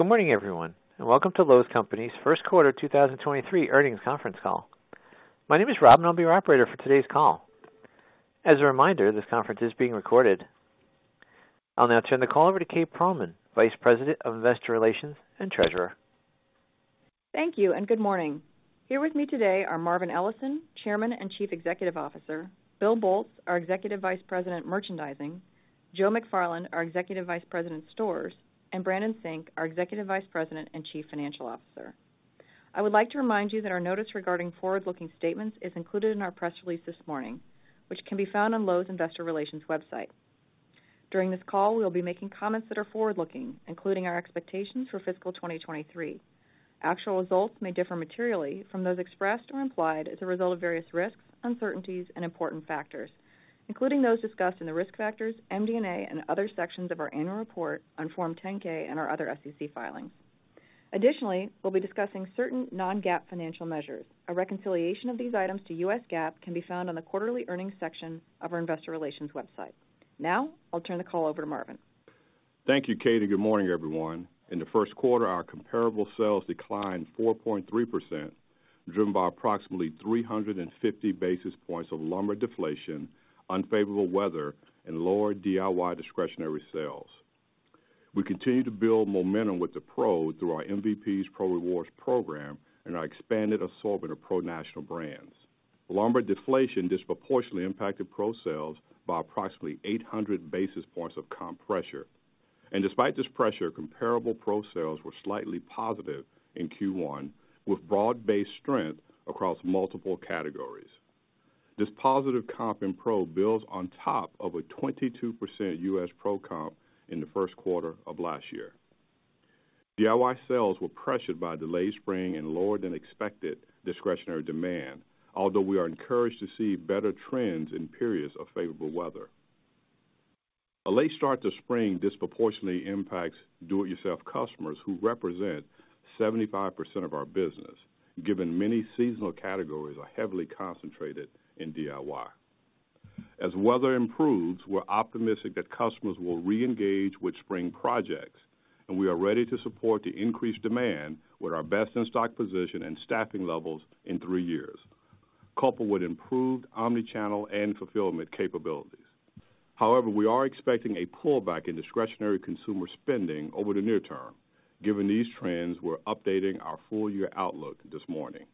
Good morning, everyone, Welcome to Lowe's Companies 1st Quarter 2023 Earnings Conference Call. My name is Rob, and I'll be your operator for today's call. As a reminder, this conference is being recorded. I'll now turn the call over to Kate Pearlman, Vice President of Investor Relations and Treasurer. Thank you, and good morning. Here with me today are Marvin Ellison, Chairman and Chief Executive Officer, Bill Boltz, our Executive Vice President, Merchandising, Joe McFarland, our Executive Vice President, Stores, and Brandon Sink, our Executive Vice President and Chief Financial Officer. I would like to remind you that our notice regarding forward-looking statements is included in our press release this morning, which can be found on Lowe's Investor Relations website. During this call, we'll be making comments that are forward-looking, including our expectations for fiscal 2023. Actual results may differ materially from those expressed or implied as a result of various risks, uncertainties, and important factors, including those discussed in the Risk Factors, MD&A, and other sections of our Annual Report on Form 10-K and our other SEC filings. Additionally, we'll be discussing certain non-GAAP financial measures. A reconciliation of these items to U.S. GAAP can be found on the quarterly earnings section of our investor relations website. Now, I'll turn the call over to Marvin. Thank you, Kate. Good morning, everyone. In the 1st quarter, our comparable sales declined 4.3%, driven by approximately 350 basis points of lumber deflation, unfavorable weather, and lower DIY discretionary sales. We continue to build momentum with the Pro through our MVPs Pro Rewards program and our expanded assortment of Pro national brands. Lumber deflation disproportionately impacted Pro sales by approximately 800 basis points of comp pressure. Despite this pressure, comparable Pro sales were slightly positive in Q1, with broad-based strength across multiple categories. This positive comp in Pro builds on top of a 22% U.S. Pro comp in the 1st quarter of last year. DIY sales were pressured by delayed spring and lower-than-expected discretionary demand. We are encouraged to see better trends in periods of favorable weather. A late start to spring disproportionately impacts do-it-yourself customers who represent 75% of our business, given many seasonal categories are heavily concentrated in DIY. As weather improves, we're optimistic that customers will re-engage with spring projects, and we are ready to support the increased demand with our best-in-stock position and staffing levels in three years, coupled with improved omni-channel and fulfillment capabilities. However, we are expecting a pullback in discretionary consumer spending over the near term. Given these trends, we're updating our full-year outlook this morning.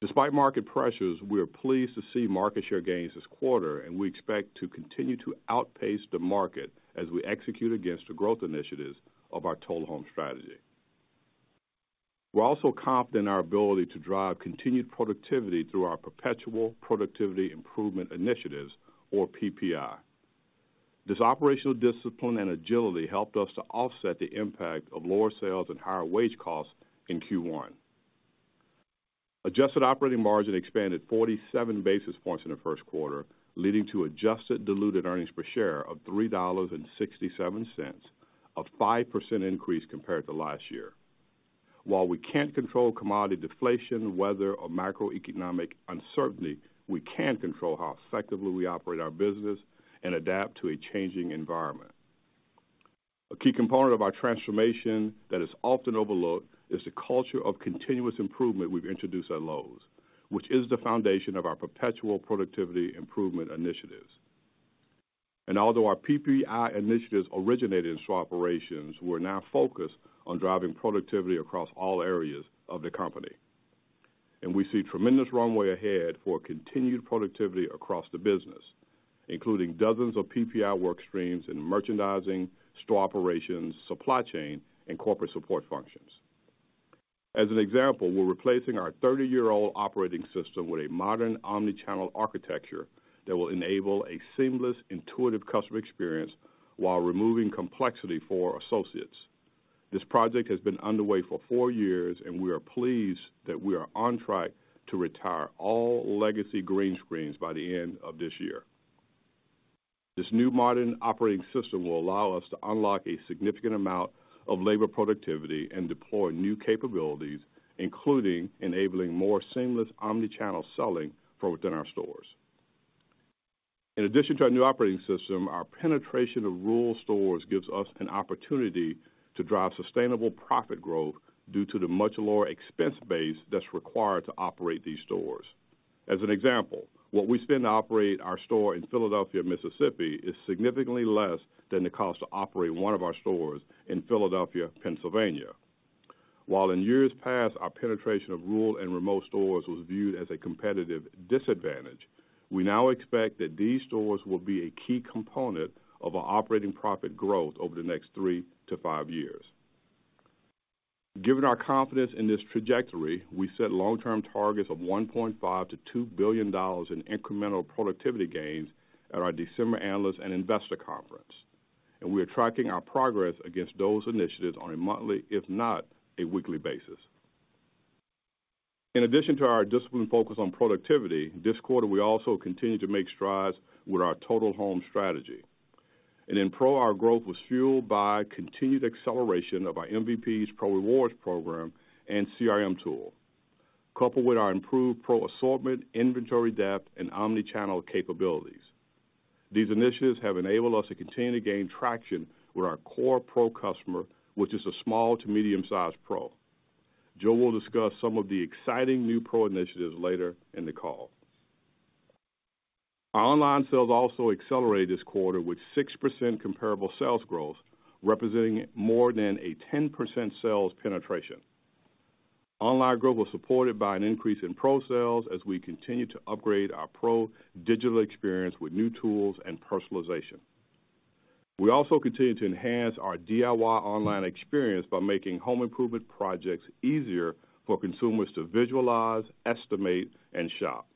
Despite market pressures, we are pleased to see market share gains this quarter, and we expect to continue to outpace the market as we execute against the growth initiatives of our Total Home strategy. We're also confident in our ability to drive continued productivity through our perpetual productivity improvement initiatives or PPI. This operational discipline and agility helped us to offset the impact of lower sales and higher wage costs in Q1. Adjusted operating margin expanded 47 basis points in the 1st quarter, leading to adjusted diluted earnings per share of $3.67, a 5% increase compared to last year. While we can't control commodity deflation, weather or macroeconomic uncertainty, we can control how effectively we operate our business and adapt to a changing environment. A key component of our transformation that is often overlooked is the culture of continuous improvement we've introduced at Lowe's, which is the foundation of our perpetual productivity improvement initiatives. Although our PPI initiatives originated in store operations, we're now focused on driving productivity across all areas of the company. We see tremendous runway ahead for continued productivity across the business, including dozens of PPI work streams in merchandising, store operations, supply chain, and corporate support functions. As an example, we're replacing our 30-year-old operating system with a modern omni-channel architecture that will enable a seamless, intuitive customer experience while removing complexity for our associates. This project has been underway for 4 years, and we are pleased that we are on track to retire all legacy green screens by the end of this year. This new modern operating system will allow us to unlock a significant amount of labor productivity and deploy new capabilities, including enabling more seamless omni-channel selling from within our stores. In addition to our new operating system, our penetration of rural stores gives us an opportunity to drive sustainable profit growth due to the much lower expense base that's required to operate these stores. As an example, what we spend to operate our store in Philadelphia, Mississippi, is significantly less than the cost to operate one of our stores in Philadelphia, Pennsylvania. While in years past, our penetration of rural and remote stores was viewed as a competitive disadvantage, we now expect that these stores will be a key component of our operating profit growth over the next three to five years. Given our confidence in this trajectory, we set long-term targets of $1.5 billion-$2 billion in incremental productivity gains at our December Analyst and Investor Conference, and we are tracking our progress against those initiatives on a monthly, if not a weekly basis. In addition to our disciplined focus on productivity, this quarter, we also continued to make strides with our Total Home strategy. In Pro, our growth was fueled by continued acceleration of our MVPs Pro Rewards program and CRM tool, coupled with our improved Pro assortment, inventory depth, and omni-channel capabilities. These initiatives have enabled us to continue to gain traction with our core Pro customer, which is a small to medium-sized Pro. Joe will discuss some of the exciting new Pro initiatives later in the call. Our online sales also accelerated this quarter with 6% comparable sales growth, representing more than a 10% sales penetration. Online growth was supported by an increase in Pro sales as we continue to upgrade our Pro digital experience with new tools and personalization. We also continue to enhance our DIY online experience by making home improvement projects easier for consumers to visualize, estimate, and shop.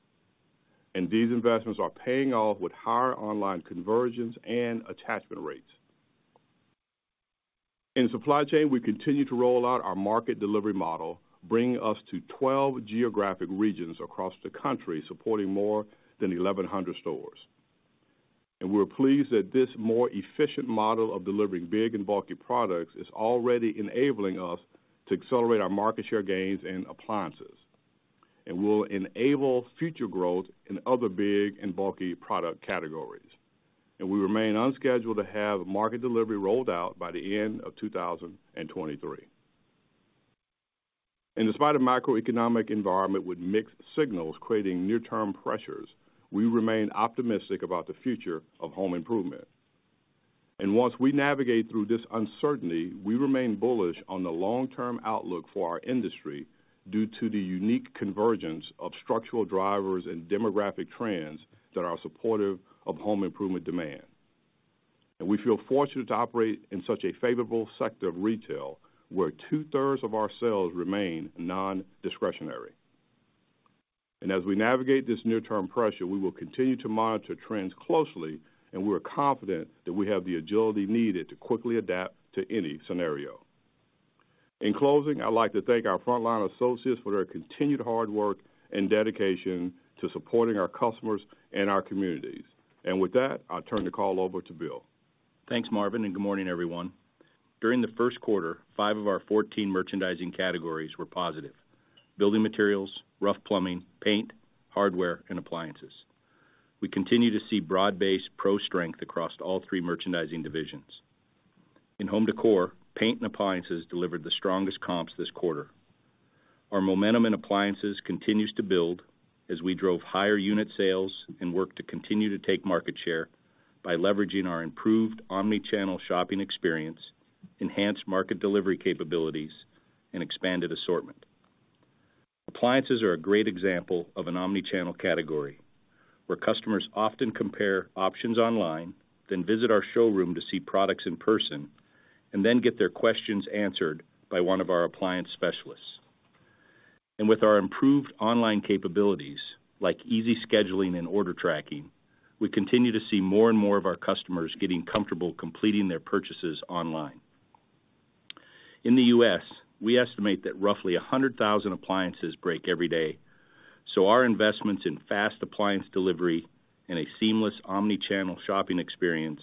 These investments are paying off with higher online conversions and attachment rates. In supply chain, we continue to roll out our market delivery model, bringing us to 12 geographic regions across the country, supporting more than 1,100 stores. We're pleased that this more efficient model of delivering big and bulky products is already enabling us to accelerate our market share gains in appliances, and will enable future growth in other big and bulky product categories. We remain on schedule to have market delivery rolled out by the end of 2023. Despite a macroeconomic environment with mixed signals creating near-term pressures, we remain optimistic about the future of home improvement. Once we navigate through this uncertainty, we remain bullish on the long-term outlook for our industry due to the unique convergence of structural drivers and demographic trends that are supportive of home improvement demand. We feel fortunate to operate in such a favorable sector of retail, where two-3rds of our sales remain nondiscretionary. As we navigate this near-term pressure, we will continue to monitor trends closely, and we're confident that we have the agility needed to quickly adapt to any scenario. In closing, I'd like to thank our frontline associates for their continued hard work and dedication to supporting our customers and our communities. With that, I'll turn the call over to Bill. Thanks, Marvin. Good morning, everyone. During the 1st quarter, 5 of our 14 merchandising categories were positive: building materials, rough plumbing, paint, hardware, and appliances. We continue to see broad-based Pro strength across all 3 merchandising divisions. In home decor, paint and appliances delivered the strongest comps this quarter. Our momentum in appliances continues to build as we drove higher unit sales and worked to continue to take market share by leveraging our improved omni-channel shopping experience, enhanced market delivery capabilities, and expanded assortment. Appliances are a great example of an omni-channel category where customers often compare options online, then visit our showroom to see products in person, and then get their questions answered by one of our appliance specialists. With our improved online capabilities, like easy scheduling and order tracking, we continue to see more and more of our customers getting comfortable completing their purchases online. In the U.S., we estimate that roughly 100,000 appliances break every day. Our investments in fast appliance delivery and a seamless omni-channel shopping experience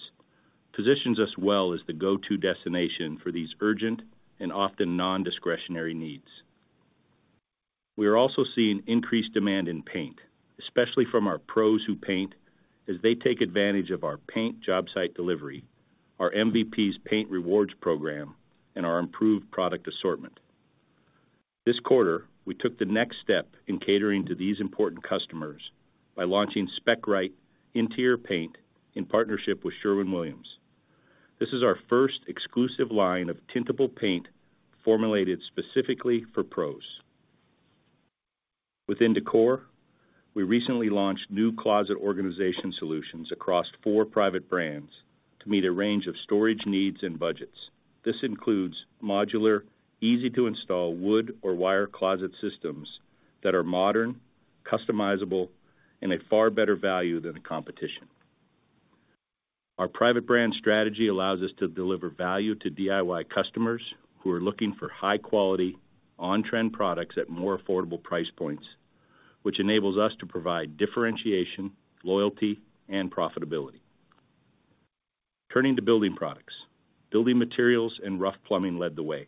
positions us well as the go-to destination for these urgent and often nondiscretionary needs. We are also seeing increased demand in paint, especially from our Pros who paint, as they take advantage of our paint job site delivery, our MVPs Pro Rewards program, and our improved product assortment. This quarter, we took the next step in catering to these important customers by launching Spec Rite interior paint in partnership with Sherwin-Williams. This is our 1st exclusive line of tintable paint formulated specifically for Pros. Within decor, we recently launched new closet organization solutions across four private brands to meet a range of storage needs and budgets. This includes modular, easy-to-install wood or wire closet systems that are modern, customizable, and a far better value than the competition. Our private brand strategy allows us to deliver value to DIY customers who are looking for high-quality, on-trend products at more affordable price points, which enables us to provide differentiation, loyalty, and profitability. Turning to building products, building materials and rough plumbing led the way.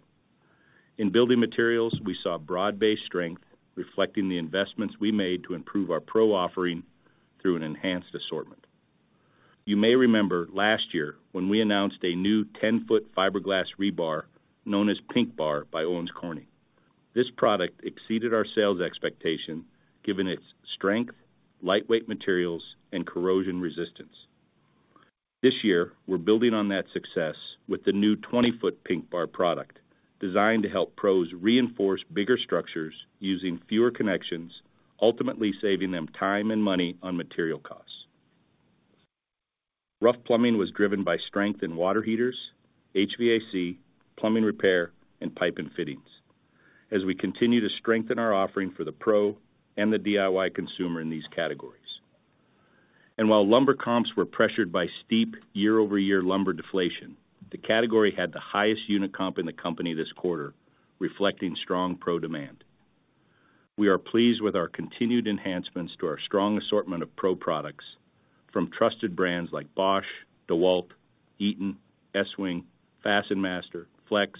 In building materials, we saw broad-based strength reflecting the investments we made to improve our Pro offering through an enhanced assortment. You may remember last year when we announced a new 10 ft fiberglass rebar known as PINKBAR by Owens Corning. This product exceeded our sales expectation given its strength, lightweight materials, and corrosion resistance. This year, we're building on that success with the new 20 ft PINKBAR product designed to help Pros reinforce bigger structures using fewer connections, ultimately saving them time and money on material costs. Rough plumbing was driven by strength in water heaters, HVAC, plumbing repair, and pipe and fittings as we continue to strengthen our offering for the Pro and the DIY consumer in these categories. While lumber comps were pressured by steep year-over-year lumber deflation, the category had the highest unit comp in the company this quarter, reflecting strong Pro demand. We are pleased with our continued enhancements to our strong assortment of Pro products from trusted brands like Bosch, DeWalt, Eaton, Ariens, FastenMaster, FLEX,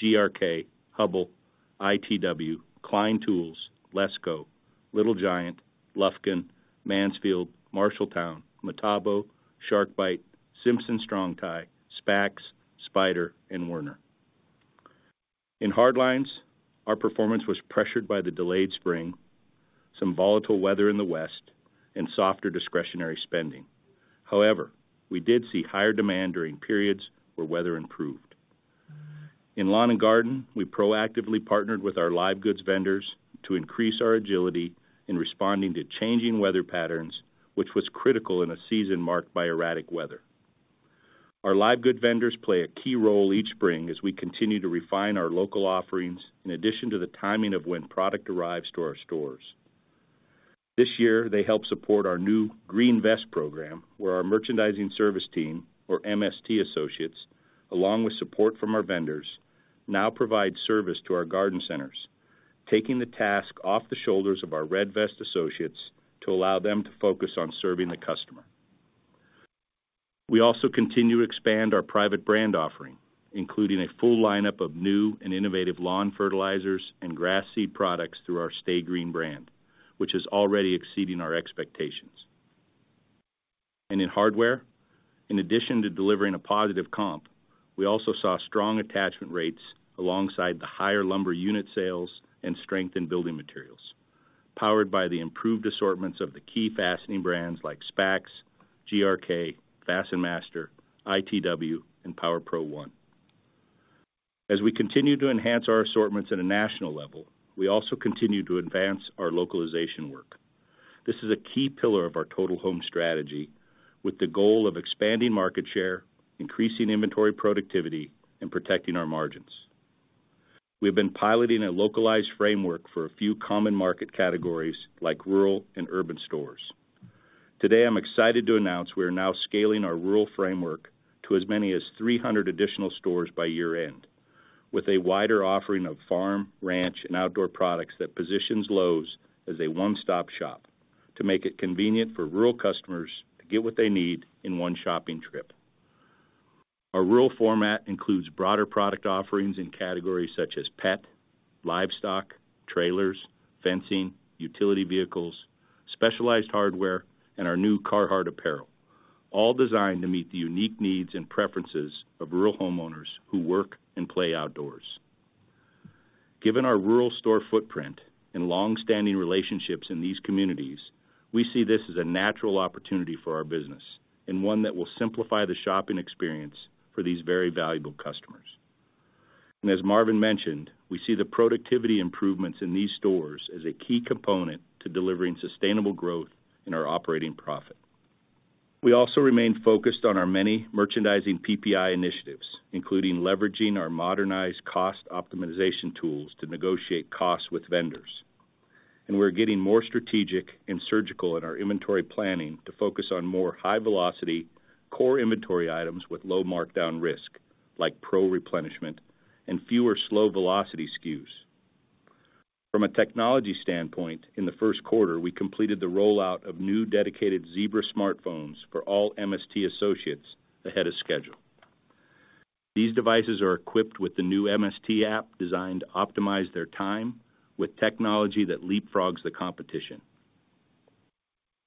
GRK, Hubbell, ITW, Klein Tools, Lesco, Little Giant, Lufkin, Mansfield, Marshalltown, Metabo, SharkBite, Simpson Strong-Tie, SPAX, Spyder, and Werner. In hard lines, our performance was pressured by the delayed spring, some volatile weather in the West and softer discretionary spending. However, we did see higher demand during periods where weather improved. In lawn and garden, we proactively partnered with our live goods vendors to increase our agility in responding to changing weather patterns, which was critical in a season marked by erratic weather. Our live good vendors play a key role each spring as we continue to refine our local offerings in addition to the timing of when product arrives to our stores. This year, they helped support our new Green Vest program, where our Merchandising Service Team, or MST associates, along with support from our vendors, now provide service to our garden centers, taking the task off the shoulders of our Red Vest associates to allow them to focus on serving the customer. We also continue to expand our private brand offering, including a full lineup of new and innovative lawn fertilizers and grass seed products through our Sta-Green brand, which is already exceeding our expectations. In hardware, in addition to delivering a positive comp, we also saw strong attachment rates alongside the higher lumber unit sales and strength in building materials, powered by the improved assortments of the key fastening brands like SPAX, GRK, FastenMaster, ITW, and Power Pro. As we continue to enhance our assortments at a national level, we also continue to advance our localization work. This is a key pillar of our Total Home strategy, with the goal of expanding market share, increasing inventory productivity, and protecting our margins. We've been piloting a localized framework for a few common market categories like rural and urban stores. Today, I'm excited to announce we are now scaling our rural framework to as many as 300 additional stores by year-end, with a wider offering of farm, ranch, and outdoor products that positions Lowe's as a one-stop shop to make it convenient for rural customers to get what they need in one shopping trip. Our rural format includes broader product offerings in categories such as pet, livestock, trailers, fencing, utility vehicles, specialized hardware, and our new Carhartt apparel, all designed to meet the unique needs and preferences of rural homeowners who work and play outdoors. Given our rural store footprint and long-standing relationships in these communities, we see this as a natural opportunity for our business and one that will simplify the shopping experience for these very valuable customers. As Marvin mentioned, we see the productivity improvements in these stores as a key component to delivering sustainable growth in our operating profit. We also remain focused on our many merchandising PPI initiatives, including leveraging our modernized cost optimization tools to negotiate costs with vendors. We're getting more strategic and surgical in our inventory planning to focus on more high-velocity core inventory items with low markdown risk, like Pro Replenishment and fewer slow velocity SKUs. From a technology standpoint, in the 1st quarter, we completed the rollout of new dedicated Zebra smartphones for all MST associates ahead of schedule. These devices are equipped with the new MST app designed to optimize their time with technology that leapfrogs the competition.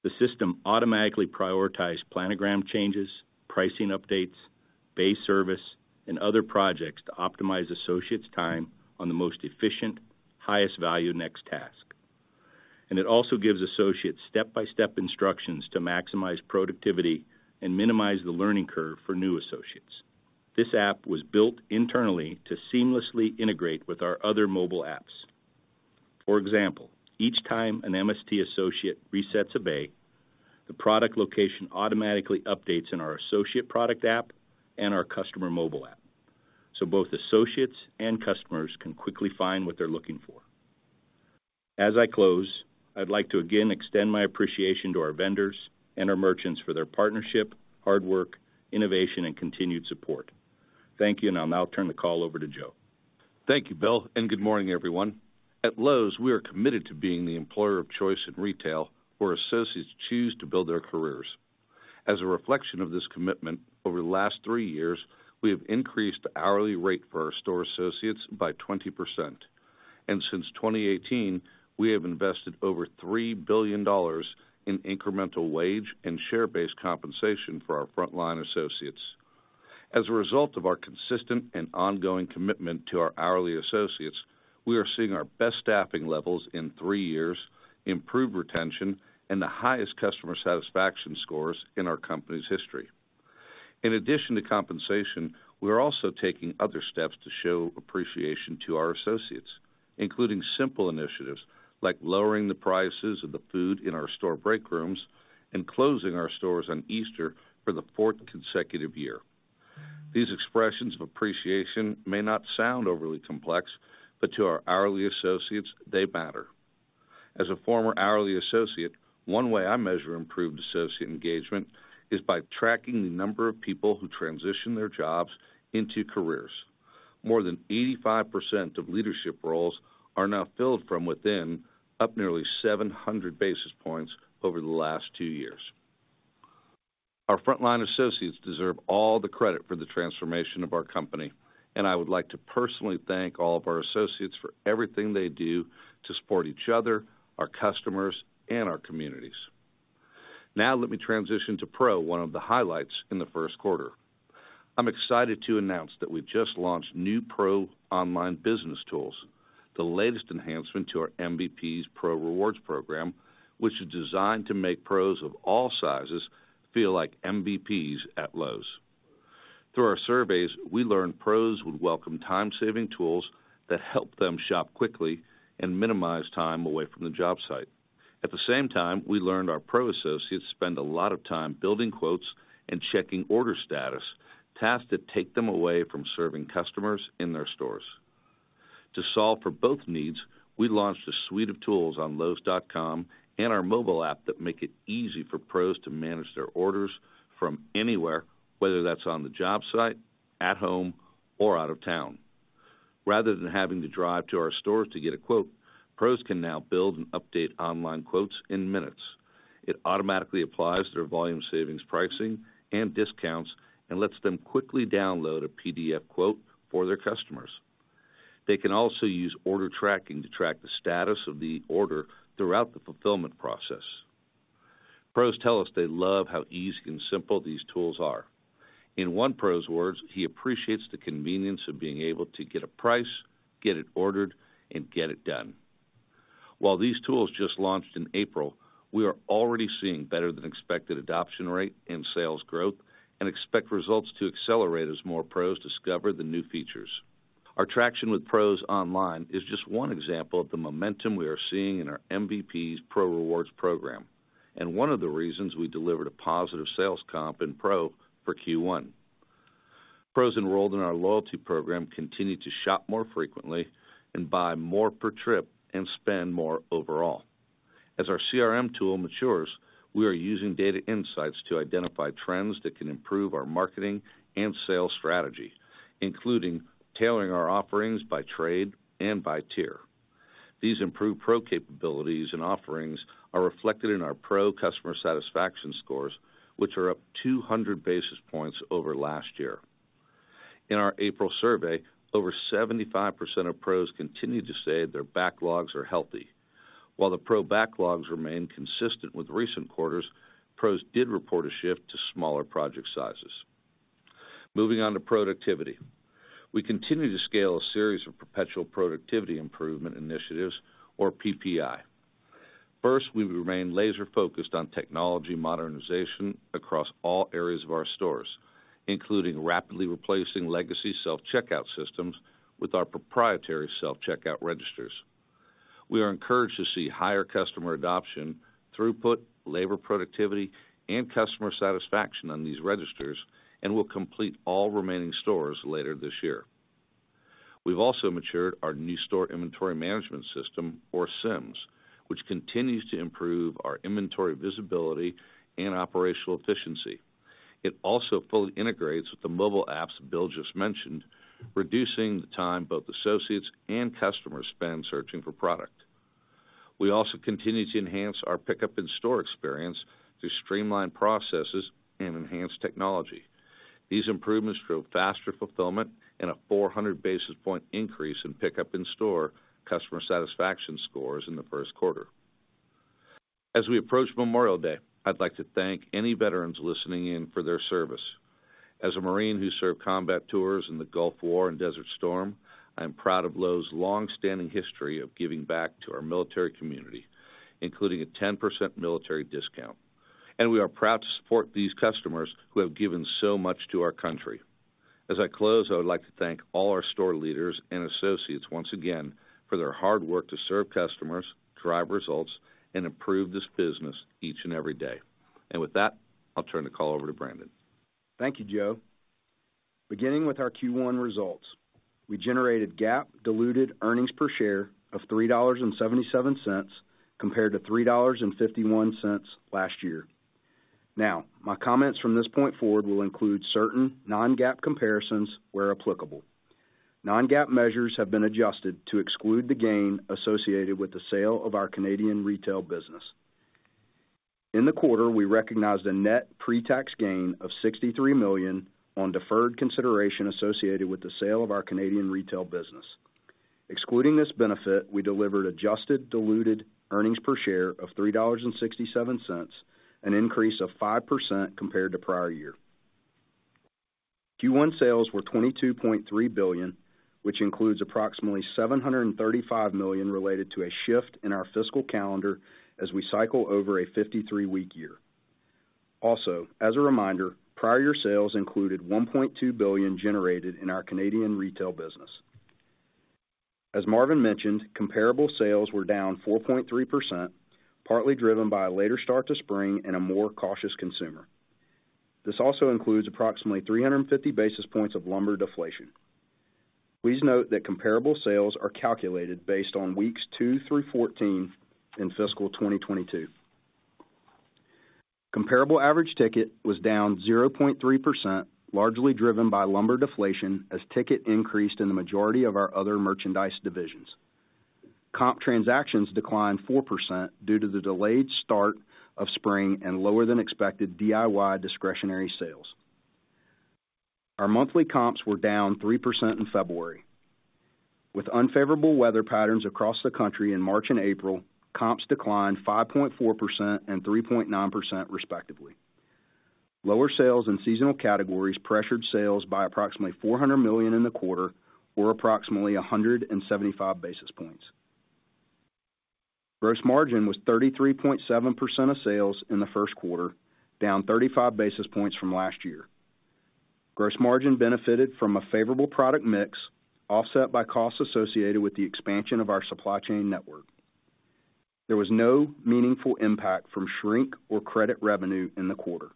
The system automatically prioritize planogram changes, pricing updates, base service, and other projects to optimize associates' time on the most efficient, highest value next task. It also gives associates step-by-step instructions to maximize productivity and minimize the learning curve for new associates. This app was built internally to seamlessly integrate with our other mobile apps. For example, each time an MST associate resets a bay, the product location automatically updates in our Associate Product app and our customer mobile app, so both associates and customers can quickly find what they're looking for. As I close, I'd like to again extend my appreciation to our vendors and our merchants for their partnership, hard work, innovation, and continued support. Thank you. I'll now turn the call over to Joe. Thank you, Bill. Good morning, everyone. At Lowe's, we are committed to being the employer of choice in retail where associates choose to build their careers. As a reflection of this commitment, over the last 3 years, we have increased the hourly rate for our store associates by 20%. Since 2018, we have invested over $3 billion in incremental wage and share-based compensation for our frontline associates. As a result of our consistent and ongoing commitment to our hourly associates, we are seeing our best staffing levels in 3 years, improved retention, and the highest customer satisfaction scores in our company's history. In addition to compensation, we are also taking other steps to show appreciation to our associates, including simple initiatives like lowering the prices of the food in our store break rooms and closing our stores on Easter for the 4th consecutive year. These expressions of appreciation may not sound overly complex, but to our hourly associates, they matter. As a former hourly associate, one way I measure improved associate engagement is by tracking the number of people who transition their jobs into careers. More than 85% of leadership roles are now filled from within, up nearly 700 basis points over the last two years. Our frontline associates deserve all the credit for the transformation of our company, and I would like to personally thank all of our associates for everything they do to support each other, our customers, and our communities. Now let me transition to Pro, one of the highlights in the 1st quarter. I'm excited to announce that we just launched new Pro Online business tools, the latest enhancement to our MVPs Pro Rewards program, which is designed to make pros of all sizes feel like MVPs at Lowe's. Through our surveys, we learned pros would welcome time-saving tools that help them shop quickly and minimize time away from the job site. At the same time, we learned our Pro associates spend a lot of time building quotes and checking order status, tasks that take them away from serving customers in their stores. To solve for both needs, we launched a suite of tools on lowes.com and our mobile app that make it easy for pros to manage their orders from anywhere, whether that's on the job site, at home, or out of town. Rather than having to drive to our stores to get a quote, pros can now build and update online quotes in minutes. It automatically applies their volume savings pricing and discounts and lets them quickly download a PDF quote for their customers. They can also use order tracking to track the status of the order throughout the fulfillment process. Pros tell us they love how easy and simple these tools are. In one pro's words, he appreciates the convenience of being able to get a price, get it ordered, and get it done. While these tools just launched in April, we are already seeing better than expected adoption rate and sales growth and expect results to accelerate as more pros discover the new features. Our traction with Pros Online is just one example of the momentum we are seeing in our MVPs Pro Rewards program. One of the reasons we delivered a positive sales comp in Pro for Q1. Pros enrolled in our loyalty program continue to shop more frequently and buy more per trip and spend more overall. As our CRM tool matures, we are using data insights to identify trends that can improve our marketing and sales strategy, including tailoring our offerings by trade and by tier. These improved pro capabilities and offerings are reflected in our pro customer satisfaction scores, which are up 200 basis points over last year. In our April survey, over 75% of pros continued to say their backlogs are healthy. While the pro backlogs remain consistent with recent quarters, pros did report a shift to smaller project sizes. Moving on to productivity. We continue to scale a series of perpetual productivity improvement initiatives or PPI. 1st, we remain laser-focused on technology modernization across all areas of our stores, including rapidly replacing legacy self-checkout systems with our proprietary self-checkout registers. We are encouraged to see higher customer adoption, throughput, labor productivity, and customer satisfaction on these registers and will complete all remaining stores later this year. We've also matured our new store inventory management system or SIMS, which continues to improve our inventory visibility and operational efficiency. It also fully integrates with the mobile apps Bill just mentioned, reducing the time both associates and customers spend searching for product. We also continue to enhance our pickup-in-store experience through streamlined processes and enhanced technology. These improvements drove faster fulfillment and a 400 basis point increase in pickup in store customer satisfaction scores in the 1st quarter. As we approach Memorial Day, I'd like to thank any veterans listening in for their service. As a Marine who served combat tours in the Gulf War and Desert Storm, I am proud of Lowe's longstanding history of giving back to our military community, including a 10% military discount. We are proud to support these customers who have given so much to our country. As I close, I would like to thank all our store leaders and associates once again for their hard work to serve customers, drive results, and improve this business each and every day. With that, I'll turn the call over to Brandon. Thank you, Joe. Beginning with our Q1 results, we generated GAAP diluted earnings per share of $3.77 compared to $3.51 last year. My comments from this point forward will include certain non-GAAP comparisons where applicable. Non-GAAP measures have been adjusted to exclude the gain associated with the sale of our Canadian retail business. In the quarter, we recognized a net pre-tax gain of $63 million on deferred consideration associated with the sale of our Canadian retail business. Excluding this benefit, we delivered adjusted diluted earnings per share of $3.67, an increase of 5% compared to prior year. Q1 sales were $22.3 billion, which includes approximately $735 million related to a shift in our fiscal calendar as we cycle over a 53-week year. Also, as a reminder, prior year sales included $1.2 billion generated in our Canadian retail business. As Marvin mentioned, comparable sales were down 4.3%, partly driven by a later start to spring and a more cautious consumer. This also includes approximately 350 basis points of lumber deflation. Please note that comparable sales are calculated based on weeks two through 14 in fiscal 2022. Comparable average ticket was down 0.3%, largely driven by lumber deflation as ticket increased in the majority of our other merchandise divisions. Comp transactions declined 4% due to the delayed start of spring and lower than expected DIY discretionary sales. Our monthly comps were down 3% in February. With unfavorable weather patterns across the country in March and April, comps declined 5.4% and 3.9% respectively. Lower sales in seasonal categories pressured sales by approximately $400 million in the quarter or approximately 175 basis points. Gross margin was 33.7% of sales in the 1st quarter, down 35 basis points from last year. Gross margin benefited from a favorable product mix, offset by costs associated with the expansion of our supply chain network. There was no meaningful impact from shrink or credit revenue in the quarter.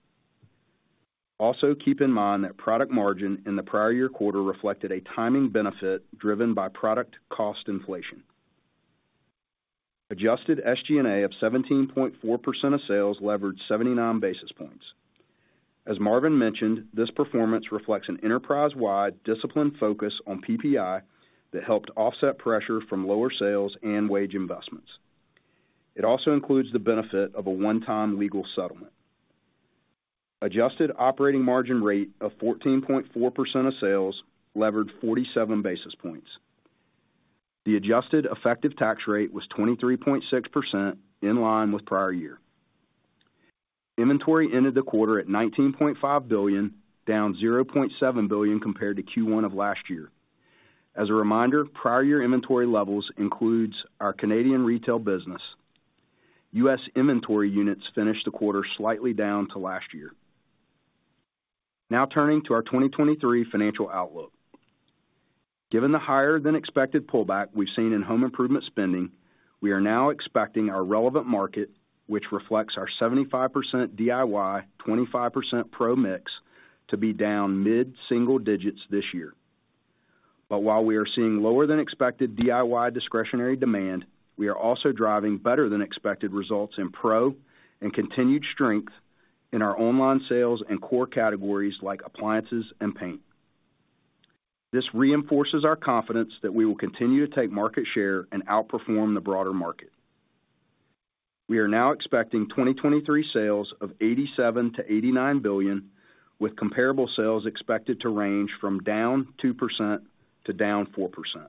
Keep in mind that product margin in the prior year quarter reflected a timing benefit driven by product cost inflation. Adjusted SG&A of 17.4% of sales leveraged 79 basis points. As Marvin mentioned, this performance reflects an enterprise-wide disciplined focus on PPI that helped offset pressure from lower sales and wage investments. It also includes the benefit of a one-time legal settlement. Adjusted operating margin rate of 14.4% of sales levered 47 basis points. The adjusted effective tax rate was 23.6% in line with prior year. Inventory ended the quarter at $19.5 billion, down $0.7 billion compared to Q1 of last year. As a reminder, prior year inventory levels includes our Canadian retail business. U.S. inventory units finished the quarter slightly down to last year. Turning to our 2023 financial outlook. Given the higher than expected pullback we've seen in home improvement spending, we are now expecting our relevant market, which reflects our 75% DIY, 25% pro mix to be down mid-single digits this year. While we are seeing lower than expected DIY discretionary demand, we are also driving better than expected results in pro and continued strength in our online sales and core categories like appliances and paint. This reinforces our confidence that we will continue to take market share and outperform the broader market. We are now expecting 2023 sales of $87 billion-$89 billion, with comparable sales expected to range from -2% to -4%.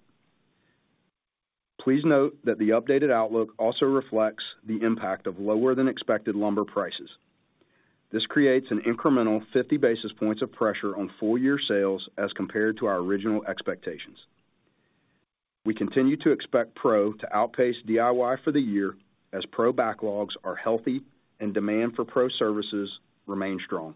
Please note that the updated outlook also reflects the impact of lower than expected lumber prices. This creates an incremental 50 basis points of pressure on full year sales as compared to our original expectations. We continue to expect pro to outpace DIY for the year as pro backlogs are healthy and demand for pro services remain strong.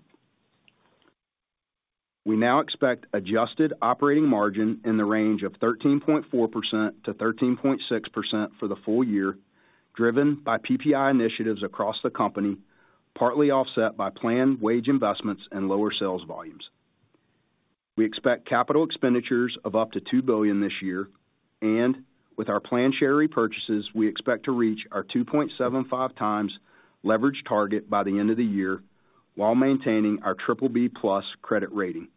We now expect adjusted operating margin in the range of 13.4%-13.6% for the full year, driven by PPI initiatives across the company, partly offset by planned wage investments and lower sales volumes. We expect CapEx of up to $2 billion this year and with our planned share repurchases, we expect to reach our 2.75x leverage target by the end of the year while maintaining our BBB+ credit rating.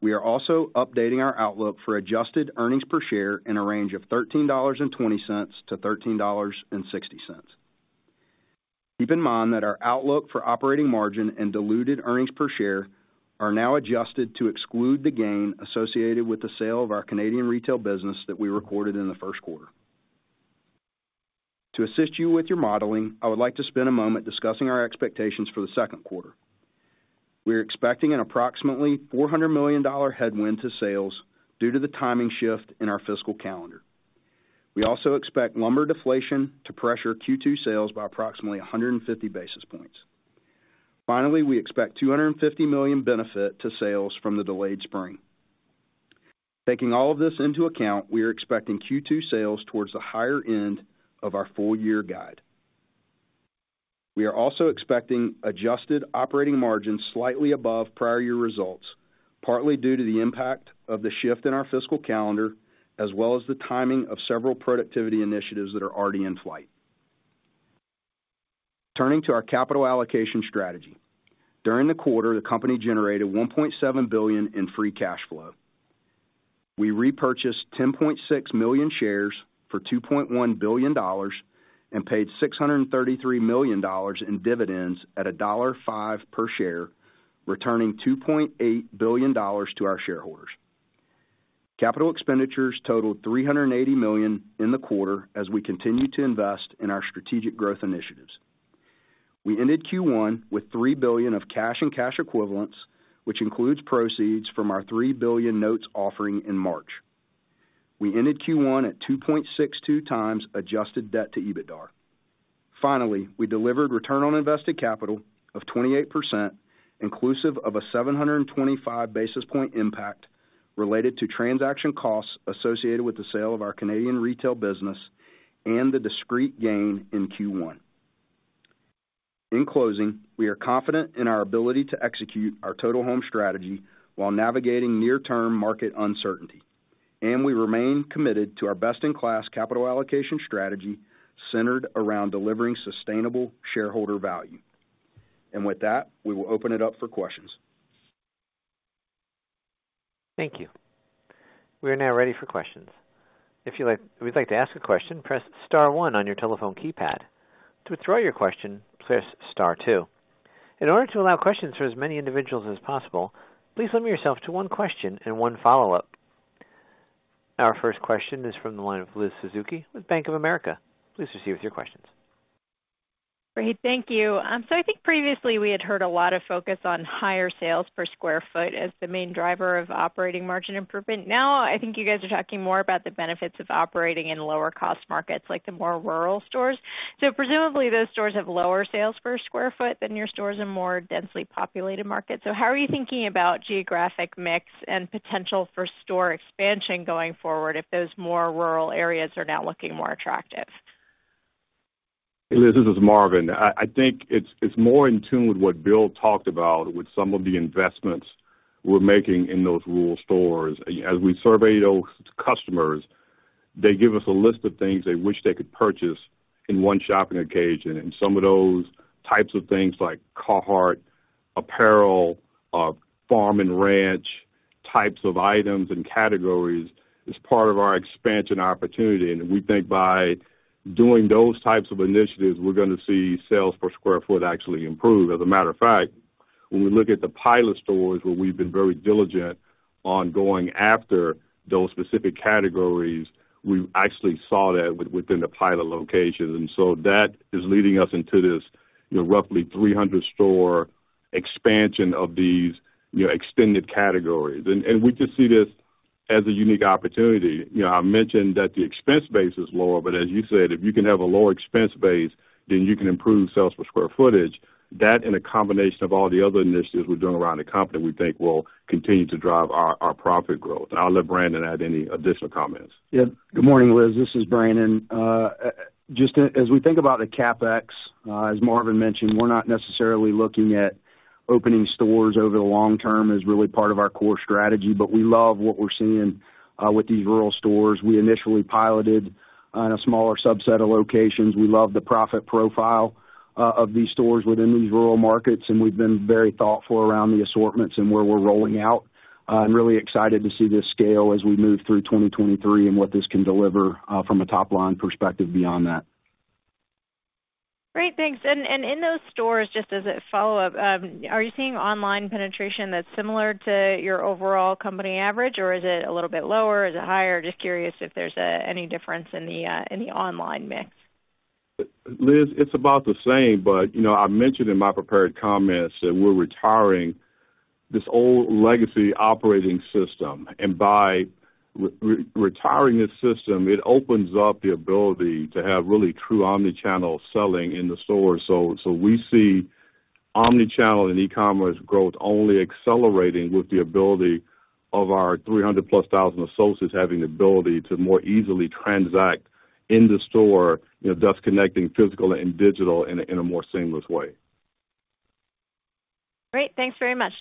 We are also updating our outlook for adjusted earnings per share in a range of $13.20-$13.60. Keep in mind that our outlook for operating margin and diluted earnings per share are now adjusted to exclude the gain associated with the sale of our Canadian retail business that we recorded in the 1st quarter. To assist you with your modeling, I would like to spend a moment discussing our expectations for the 2nd quarter. We are expecting an approximately $400 million headwind to sales due to the timing shift in our fiscal calendar. We also expect lumber deflation to pressure Q2 sales by approximately 150 basis points. Finally, we expect $250 million benefit to sales from the delayed spring. Taking all of this into account, we are expecting Q2 sales towards the higher end of our full year guide. We are also expecting adjusted operating margins slightly above prior year results, partly due to the impact of the shift in our fiscal calendar, as well as the timing of several productivity initiatives that are already in flight. Turning to our capital allocation strategy. During the quarter, the company generated $1.7 billion in free cash flow. We repurchased 10.6 million shares for $2.1 billion and paid $633 million in dividends at $1.05 per share, returning $2.8 billion to our shareholders. Capital expenditures totaled $380 million in the quarter as we continue to invest in our strategic growth initiatives. We ended Q1 with $3 billion of cash and cash equivalents, which includes proceeds from our $3 billion notes offering in March. We ended Q1 at 2.62 times adjusted debt to EBITDAR. We delivered return on invested capital of 28%, inclusive of a 725 basis point impact related to transaction costs associated with the sale of our Canadian retail business and the discrete gain in Q1. In closing, we are confident in our ability to execute our Total Home strategy while navigating near-term market uncertainty. We remain committed to our best-in-class capital allocation strategy centered around delivering sustainable shareholder value. With that, we will open it up for questions. Thank you. We are now ready for questions. If you would like to ask a question, press star one on your telephone keypad. To withdraw your question, press star two. In order to allow questions for as many individuals as possible, please limit yourself to one question and one follow-up. Our 1st question is from the line of Elizabeth Suzuki with Bank of America. Please proceed with your questions. Great. Thank you. I think previously we had heard a lot of focus on higher sales per square foot as the main driver of operating margin improvement. Now, I think you guys are talking more about the benefits of operating in lower cost markets like the more rural stores. Presumably those stores have lower sales per square foot than your stores in more densely populated markets. How are you thinking about geographic mix and potential for store expansion going forward if those more rural areas are now looking more attractive? Hey, Liz, this is Marvin. I think it's more in tune with what Bill talked about with some of the investments we're making in those rural stores. As we survey those customers, they give us a list of things they wish they could purchase in one shopping occasion. Some of those types of things like Carhartt apparel or farm and ranch types of items and categories is part of our expansion opportunity. We think by doing those types of initiatives, we're gonna see sales per square foot actually improve. As a matter of fact, when we look at the pilot stores where we've been very diligent on going after those specific categories, we actually saw that within the pilot locations. That is leading us into this, you know, roughly 300 store expansion of these, you know, extended categories. We just see this as a unique opportunity. You know, I mentioned that the expense base is lower, but as you said, if you can have a lower expense base, then you can improve sales per square footage. That in a combination of all the other initiatives we're doing around the company, we think will continue to drive our profit growth. I'll let Brandon add any additional comments. Good morning, Liz. This is Brandon. Just as we think about the CapEx, as Marvin mentioned, we're not necessarily looking at opening stores over the long term as really part of our core strategy. We love what we're seeing with these rural stores. We initially piloted on a smaller subset of locations. We love the profit profile of these stores within these rural markets. We've been very thoughtful around the assortments and where we're rolling out. I'm really excited to see this scale as we move through 2023 and what this can deliver from a top line perspective beyond that. Great. Thanks. In those stores, just as a follow-up, are you seeing online penetration that's similar to your overall company average, or is it a little bit lower? Is it higher? Just curious if there's any difference in the online mix. Liz, it's about the same, you know, I mentioned in my prepared comments that we're retiring this old legacy operating system. By retiring this system, it opens up the ability to have really true omni-channel selling in the store. We see omni-channel and e-commerce growth only accelerating with the ability of our 300+ thousand associates having the ability to more easily transact in the store, you know, thus connecting physical and digital in a more seamless way. Great. Thanks very much.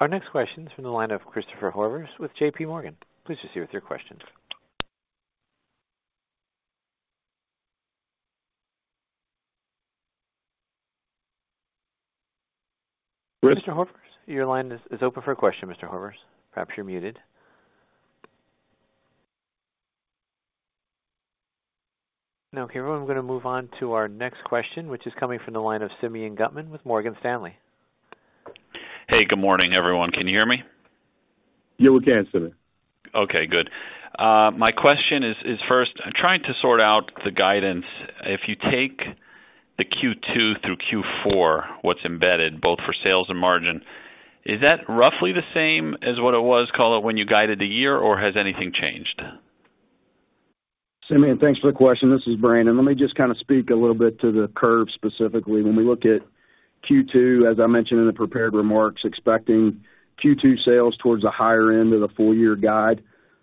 Our next question is from the line of Christopher Horvers with J.P. Morgan. Please proceed with your questions. Chris? Mr. Horvers, your line is open for a question, Mr. Horvers. Perhaps you're muted. No, okay. Well, I'm gonna move on to our next question, which is coming from the line of Simeon Gutman with Morgan Stanley. Hey, good morning, everyone. Can you hear me? Yeah, we can, Simeon. Okay, good. My question is 1st, I'm trying to sort out the guidance. If you take the Q2 through Q4, what's embedded both for sales and margin, is that roughly the same as what it was, call it, when you guided the year, or has anything changed? Simeon, thanks for the question. This is Brandon. Let me just kind of speak a little bit to the curve specifically. When we look at Q2, as I mentioned in the prepared remarks, expecting Q2 sales towards the higher end of the full year guide.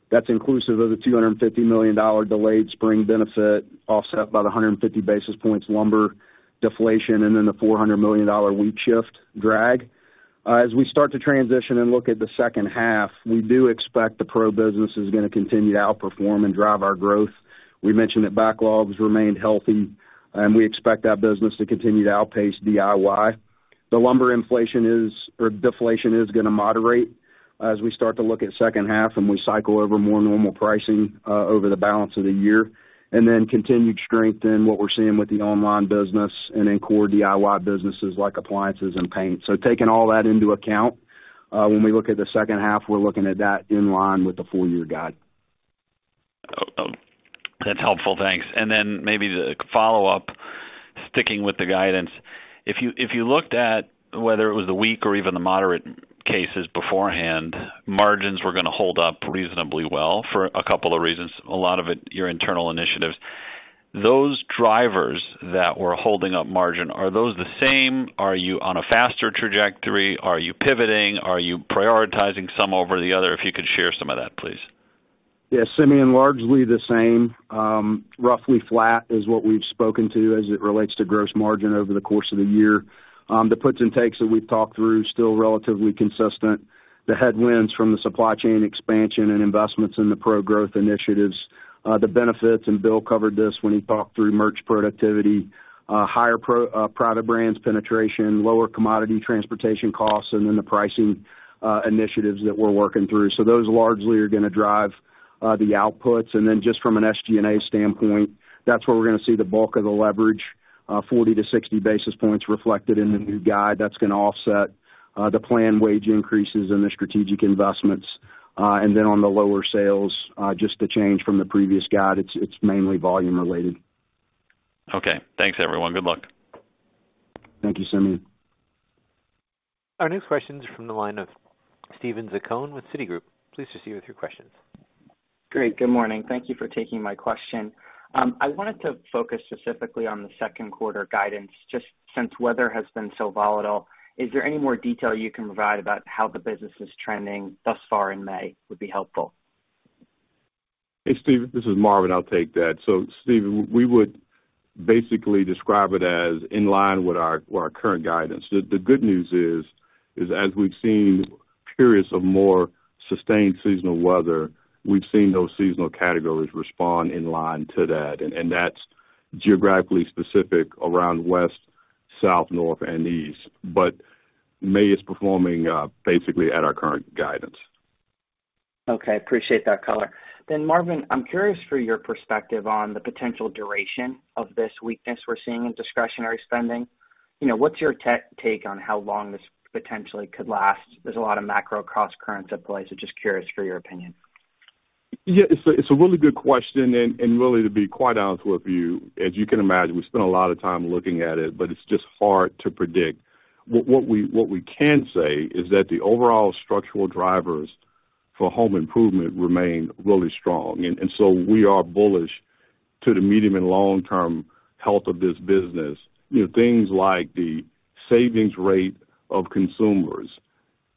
That's inclusive of the $250 million delayed spring benefit, offset by the 150 basis points lumber deflation, and then the $400 million wheat shift drag. As we start to transition and look at the 2nd half, we do expect the pro business is gonna continue to outperform and drive our growth. We mentioned that backlogs remain healthy, and we expect that business to continue to outpace DIY. The lumber inflation or deflation is gonna moderate as we start to look at 2nd half, and we cycle over more normal pricing over the balance of the year. Continued strength in what we're seeing with the online business and in core DIY businesses like appliances and paint. Taking all that into account, when we look at the 2nd half, we're looking at that in line with the full year guide. Oh, that's helpful. Thanks. Maybe the follow-up, sticking with the guidance. If you looked at whether it was the weak or even the moderate cases beforehand, margins were going to hold up reasonably well for a couple of reasons. A lot of it, your internal initiatives. Those drivers that were holding up margin, are those the same? Are you on a faster trajectory? Are you pivoting? Are you prioritizing some over the other? If you could share some of that, please. Yeah, Simeon, largely the same. Roughly flat is what we've spoken to as it relates to gross margin over the course of the year. The puts and takes that we've talked through, still relatively consistent. The headwinds from the supply chain expansion and investments in the pro-growth initiatives. The benefits, Bill covered this when he talked through merch productivity, higher private brands penetration, lower commodity transportation costs, and then the pricing initiatives that we're working through. Those largely are gonna drive the outputs. Just from an SG&A standpoint, that's where we're gonna see the bulk of the leverage, 40 basis points-60 basis points reflected in the new guide. That's gonna offset the planned wage increases and the strategic investments. On the Lowe's sales, just the change from the previous guide, it's mainly volume related. Okay. Thanks, everyone. Good luck. Thank you, Simeon. Our next question is from the line of Steven Zaccone with Citigroup. Please proceed with your questions. Great. Good morning. Thank you for taking my question. I wanted to focus specifically on the 2nd quarter guidance, just since weather has been so volatile. Is there any more detail you can provide about how the business is trending thus far in May, would be helpful? Hey, Steven, this is Marvin. I'll take that. Steven, we would basically describe it as in line with our, with our current guidance. The good news is as we've seen periods of more sustained seasonal weather, we've seen those seasonal categories respond in line to that. That's geographically specific around West, South, North and East. May is performing basically at our current guidance. Okay. Appreciate that color. Marvin, I'm curious for your perspective on the potential duration of this weakness we're seeing in discretionary spending. You know, what's your take on how long this potentially could last? There's a lot of macro crosscurrents at play, so just curious for your opinion. It's a, it's a really good question, and really to be quite honest with you, as you can imagine, we spent a lot of time looking at it, but it's just hard to predict. What we can say is that the overall structural drivers for home improvement remain really strong. So we are bullish to the medium and long-term health of this business. You know, things like the savings rate of consumers,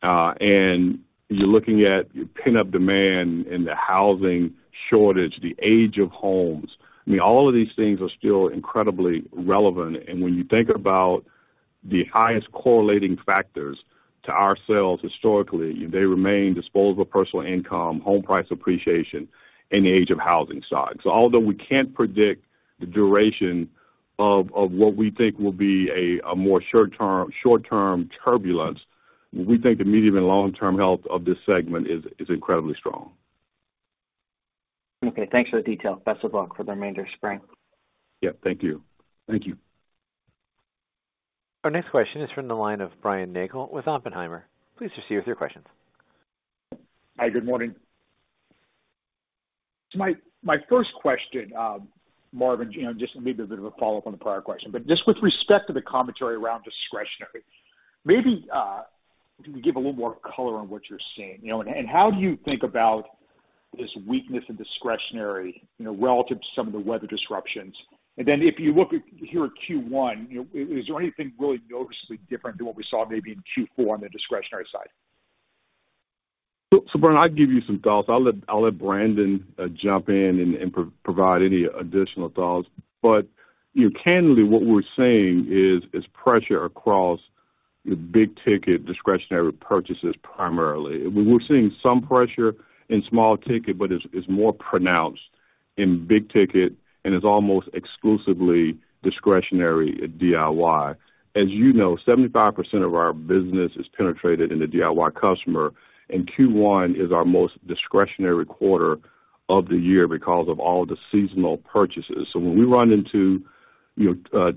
and you're looking at your pin-up demand and the housing shortage, the age of homes. I mean, all of these things are still incredibly relevant. When you think about the highest correlating factors to ourselves historically, they remain disposable personal income, home price appreciation, and the age of housing stock. Although we can't predict the duration of what we think will be a more short term turbulence, we think the medium and long-term health of this segment is incredibly strong. Okay, thanks for the detail. Best of luck for the remainder of spring. Yeah, thank you. Thank you. Our next question is from the line of Brian Nagel with Oppenheimer & Co.. Please proceed with your questions. Hi, good morning. My 1st question, Marvin, you know, just maybe a bit of a follow-up on the prior question, but just with respect to the commentary around discretionary, maybe, can you give a little more color on what you're seeing? You know, and how do you think about this weakness in discretionary, you know, relative to some of the weather disruptions? If you look at your Q1, you know, is there anything really noticeably different than what we saw maybe in Q4 on the discretionary side? Brian, I'll give you some thoughts. I'll let Brandon jump in and provide any additional thoughts. You know, candidly, what we're saying is pressure across the big ticket discretionary purchases primarily. We're seeing some pressure in small ticket, but it's more pronounced in big ticket and is almost exclusively discretionary DIY. As you know, 75% of our business is penetrated in the DIY customer, and Q1 is our most discretionary quarter of the year because of all the seasonal purchases. When we run into, you know,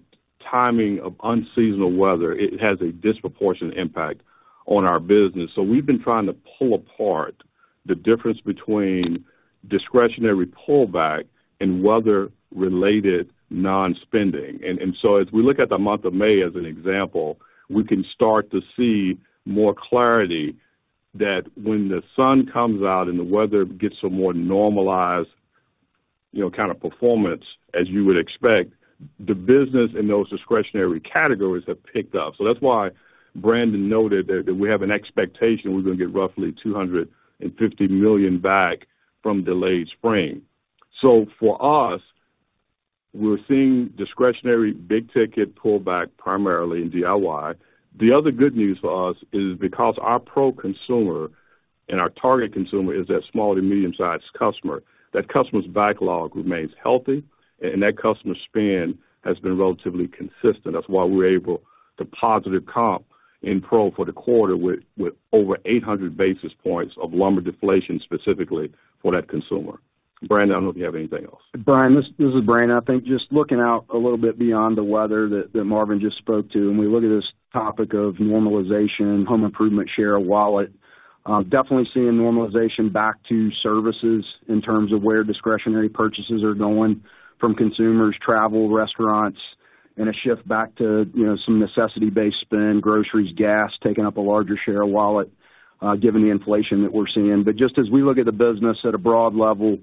timing of unseasonal weather, it has a disproportionate impact on our business. We've been trying to pull apart the difference between discretionary pullback and weather-related non-spending. As we look at the month of May as an example, we can start to see more clarity that when the sun comes out and the weather gets a more normalized, you know, kind of performance, as you would expect, the business in those discretionary categories have picked up. That's why Brandon noted that we have an expectation we're gonna get roughly $250 million back from delayed spring. For us, we're seeing discretionary big ticket pullback primarily in DIY. The other good news for us is because our pro-consumer and our target consumer is that small to medium-sized customer, that customer's backlog remains healthy and that customer's spend has been relatively consistent. That's why we're able to positive comp in pro for the quarter with over 800 basis points of lumber deflation specifically for that consumer. Brandon, I don't know if you have anything else. Brian, this is Brian. I think just looking out a little bit beyond the weather that Marvin just spoke to, and we look at this topic of normalization, home improvement, share of wallet, definitely seeing normalization back to services in terms of where discretionary purchases are going from consumers, travel, restaurants, and a shift back to, you know, some necessity-based spend, groceries, gas, taking up a larger share of wallet, given the inflation that we're seeing. Just as we look at the business at a broad level,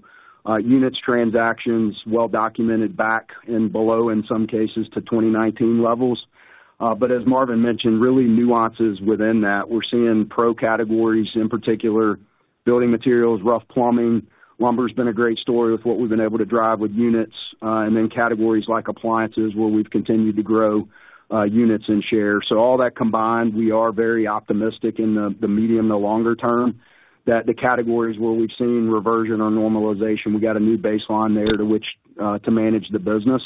units, transactions, well documented back and below in some cases to 2019 levels. As Marvin mentioned, really nuances within that. We're seeing pro categories, in particular building materials, rough plumbing. Lumber's been a great story with what we've been able to drive with units, and then categories like appliances, where we've continued to grow, units and shares. All that combined, we are very optimistic in the medium to longer term that the categories where we've seen reversion or normalization, we've got a new baseline there to which to manage the business.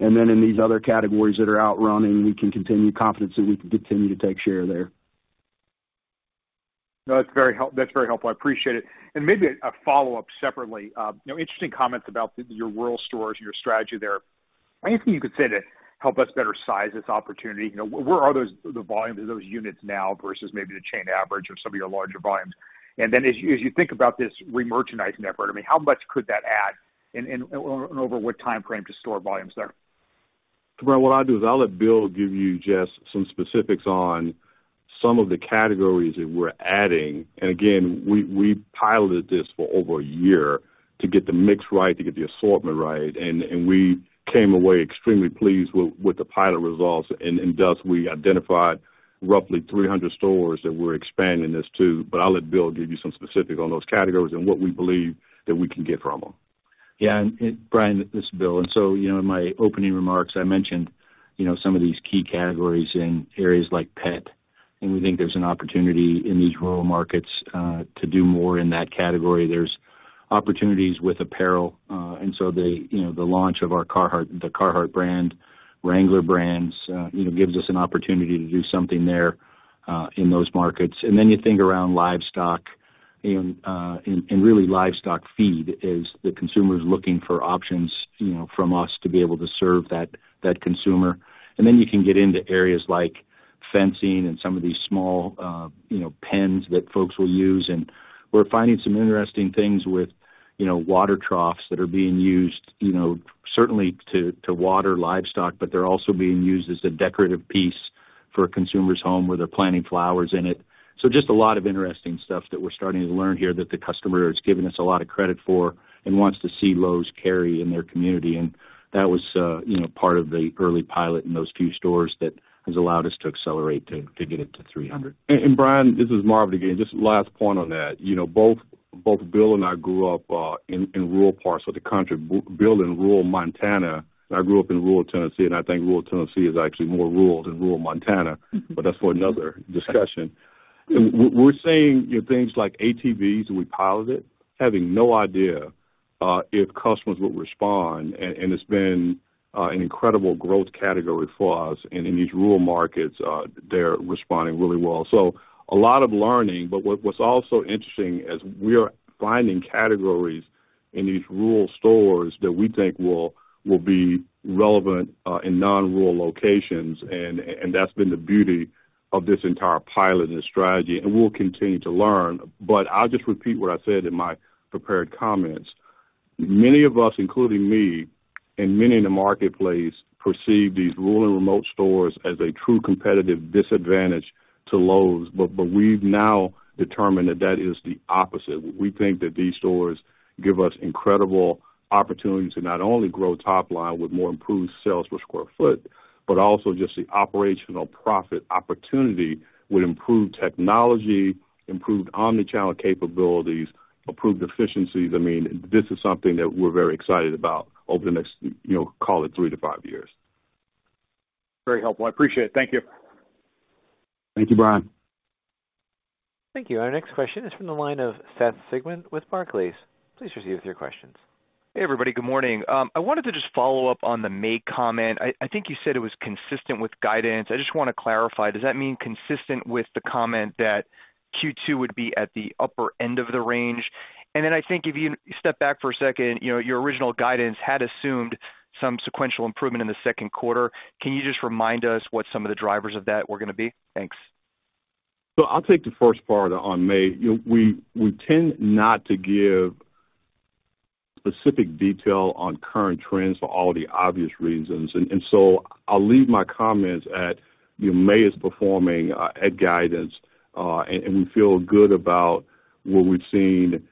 In these other categories that are outrunning, we can continue confidence that we can continue to take share there. No, that's very helpful. I appreciate it. Maybe a follow-up separately. You know, interesting comments about the, your rural stores and your strategy there. Anything you could say to help us better size this opportunity? You know, where are those, the volumes of those units now versus maybe the chain average of some of your larger volumes? Then as you think about this remerchandising effort, I mean, how much could that add and over what timeframe to store volumes there? Brian, what I'll do is I'll let Bill give you just some specifics on some of the categories that we're adding. Again, we piloted this for over a year to get the mix right, to get the assortment right, and we came away extremely pleased with the pilot results. Thus, we identified roughly 300 stores that we're expanding this to. I'll let Bill give you some specific on those categories and what we believe that we can get from them. Yeah. Brian, this is Bill. You know, in my opening remarks, I mentioned, you know, some of these key categories in areas like pet, we think there's an opportunity in these rural markets to do more in that category. There's opportunities with apparel. The, you know, the launch of our Carhartt, the Carhartt brand, Wrangler brands, you know, gives us an opportunity to do something there in those markets. You think around livestock and really livestock feed as the consumer is looking for options, you know, from us to be able to serve that consumer. You can get into areas like fencing and some of these small, you know, pens that folks will use. We're finding some interesting things with, you know, water troughs that are being used, you know, certainly to water livestock, but they're also being used as a decorative piece for a consumer's home, where they're planting flowers in it. Just a lot of interesting stuff that we're starting to learn here that the customer has given us a lot of credit for and wants to see Lowe's carry in their community. That was, you know, part of the early pilot in those few stores that has allowed us to accelerate to get it to 300 stores. Brian, this is Marvin again, just last point on that. You know, both Bill and I grew up in rural parts of the country. Bill in rural Montana, and I grew up in rural Tennessee, and I think rural Tennessee is actually more rural than rural Montana, but that's for another discussion. We're seeing things like ATVs, and we pilot it, having no idea if customers would respond. It's been an incredible growth category for us. In these rural markets, they're responding really well. So a lot of learning, but what's also interesting is we are finding categories in these rural stores that we think will be relevant in non-rural locations. That's been the beauty of this entire pilot and the strategy, and we'll continue to learn. I'll just repeat what I said in my prepared comments. Many of us, including me and many in the marketplace, perceive these rural and remote stores as a true competitive disadvantage to Lowe's. We've now determined that that is the opposite. We think that these stores give us incredible opportunity to not only grow top line with more improved sales per square foot, but also just the operational profit opportunity with improved technology, improved omni-channel capabilities, improved efficiencies. I mean, this is something that we're very excited about over the next, you know, call it 3-5 years. Very helpful, I appreciate it. Thank you. Thank you, Brian. Thank you. Our next question is from the line of Seth Sigman with Barclays. Please proceed with your questions. Hey, everybody. Good morning. I wanted to just follow up on the May comment. I think you said it was consistent with guidance. I just wanna clarify, does that mean consistent with the comment that Q2 would be at the upper end of the range? Then I think if you step back for a 2nd, you know, your original guidance had assumed some sequential improvement in the 2nd quarter. Can you just remind us what some of the drivers of that were gonna be? Thanks. I'll take the 1st part on May. You know, we tend not to give specific detail on current trends for all the obvious reasons. I'll leave my comments at, you know, May is performing at guidance, and we feel good about what we've seen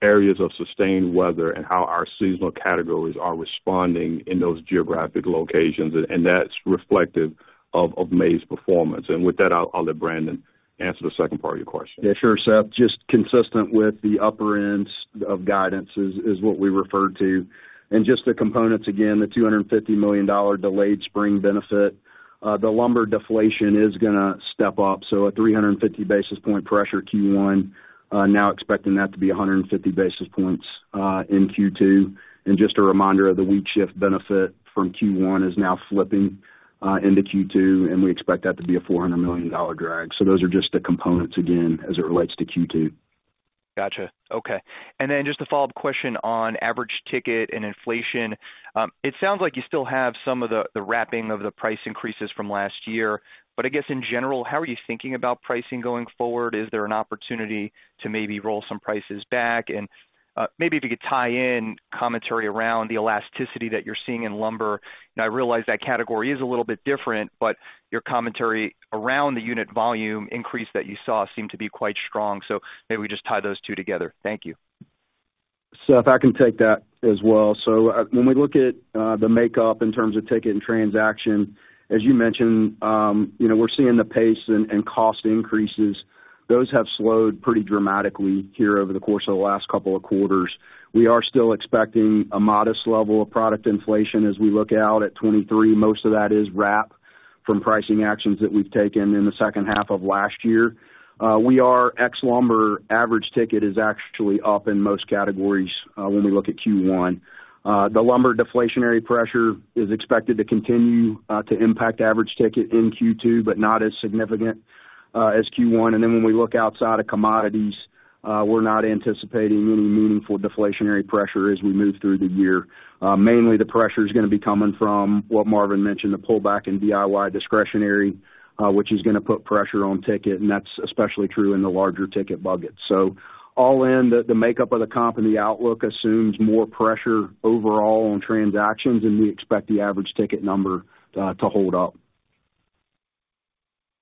areas of sustained weather and how our seasonal categories are responding in those geographic locations, and that's reflective of May's performance. With that, I'll let Brandon answer the 2nd part of your question. Yeah, sure, Seth. Just consistent with the upper ends of guidance is what we refer to. Just the components, again, the $250 million delayed spring benefit. The lumber deflation is gonna step up. At 350 basis point pressure Q1, now expecting that to be 150 basis points in Q2. Just a reminder, the week shift benefit from Q1 is now flipping into Q2, and we expect that to be a $400 million drag. Those are just the components, again, as it relates to Q2. Gotcha. Okay. Just a follow-up question on average ticket and inflation. It sounds like you still have some of the wrapping of the price increases from last year. I guess in general, how are you thinking about pricing going forward? Is there an opportunity to maybe roll some prices back? Maybe if you could tie in commentary around the elasticity that you're seeing in lumber. I realize that category is a little bit different, but your commentary around the unit volume increase that you saw seemed to be quite strong. Maybe we just tie those two together. Thank you. Seth, I can take that as well. When we look at the makeup in terms of ticket and transaction, as you mentioned, you know, we're seeing the pace and cost increases. Those have slowed pretty dramatically here over the course of the last couple of quarters. We are still expecting a modest level of product inflation as we look out at 2023. Most of that is wrap. From pricing actions that we've taken in the 2nd half of last year. We are ex lumber average ticket is actually up in most categories, when we look at Q1. The lumber deflationary pressure is expected to continue to impact average ticket in Q2, but not as significant as Q1. When we look outside of commodities, we're not anticipating any meaningful deflationary pressure as we move through the year. Mainly the pressure is gonna be coming from what Marvin mentioned, the pullback in DIY discretionary, which is gonna put pressure on ticket, and that's especially true in the larger ticket buckets. All in, the makeup of the comp and the outlook assumes more pressure overall on transactions, and we expect the average ticket number to hold up.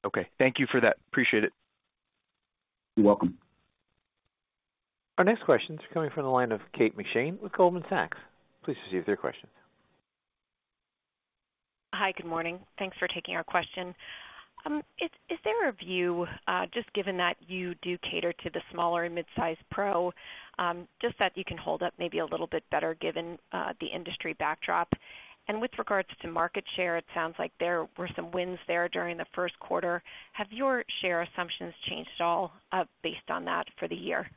Okay. Thank you for that. Appreciate it. You're welcome. Our next question is coming from the line of Kate McShane with Goldman Sachs. Please proceed with your question. Hi. Good morning. Thanks for taking our question. Is there a view, just given that you do cater to the smaller and mid-size pro, just that you can hold up maybe a little bit better given the industry backdrop? With regards to market share, it sounds like there were some wins there during the 1st quarter. Have your share assumptions changed at all based on that for the year?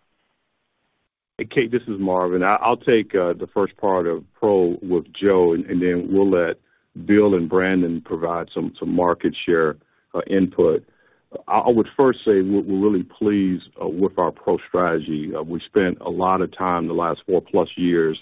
Kate, this is Marvin. I'll take the 1st part of pro with Joe, and then we'll let Bill and Brandon provide some market share input. I would 1st say we're really pleased with our pro strategy. We spent a lot of time the last four-plus years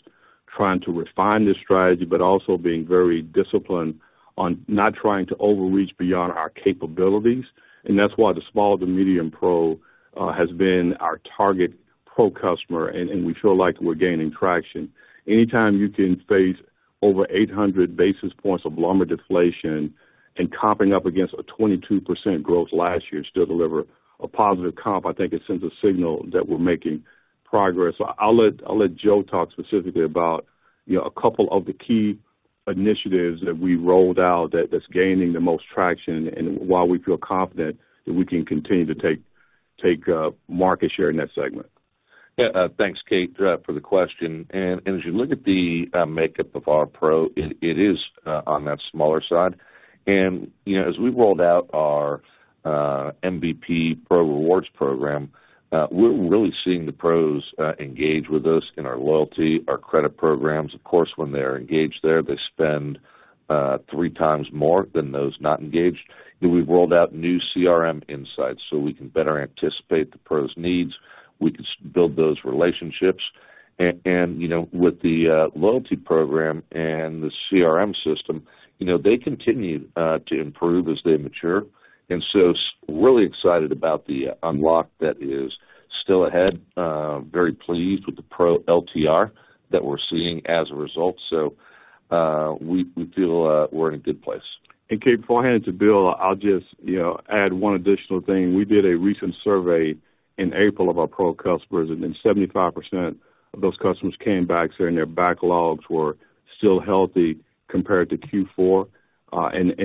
trying to refine this strategy, but also being very disciplined on not trying to overreach beyond our capabilities. That's why the small to medium pro has been our target pro customer, and we feel like we're gaining traction. Anytime you can face over 800 basis points of lumber deflation and comping up against a 22% growth last year to still deliver a positive comp, I think it sends a signal that we're making progress. I'll let Joe talk specifically about, you know, a couple of the key initiatives that we rolled out that's gaining the most traction and why we feel confident that we can continue to take market share in that segment. Yeah. Thanks, Kate, for the question. As you look at the makeup of our pro, it is on that smaller side. You know, as we rolled out our MVPs Pro Rewards program, we're really seeing the pros engage with us in our loyalty, our credit programs. Of course, when they're engaged there, they spend 3 times more than those not engaged. We've rolled out new CRM insights, so we can better anticipate the pros needs. We can build those relationships. You know, with the loyalty program and the CRM system, you know, they continue to improve as they mature, and so really excited about the unlock that is still ahead. Very pleased with the pro LTR that we're seeing as a result. We feel, we're in a good place. Kate, before I hand it to Bill, I'll just, you know, add one additional thing. We did a recent survey in April of our pro customers, and then 75% of those customers came back saying their backlogs were still healthy compared to Q4.